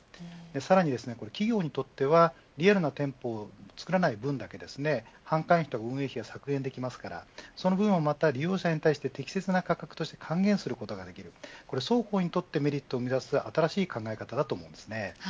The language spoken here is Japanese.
さらに企業にとってはリアルな店舗をつくらない分だけ販管費や運営費が削減できますので利用者に適切な価格として還元することができる双方にとってメリットがある新しい考え方だと思います。